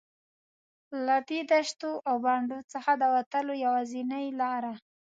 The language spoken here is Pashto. له دې دښتو او بانډو څخه د وتلو یوازینۍ لاره.